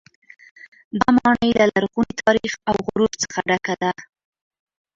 دا ماڼۍ له لرغوني تاریخ او غرور څخه ډکه ده.